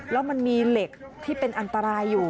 แล้วมันมีเหล็กที่เป็นอันตรายอยู่